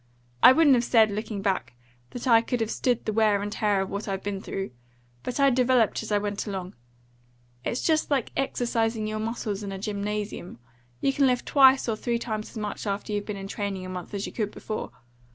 I wouldn't have said, looking back, that I could have stood the wear and tear of what I've been through. But I developed as I went along. It's just like exercising your muscles in a gymnasium. You can lift twice or three times as much after you've been in training a month as you could before.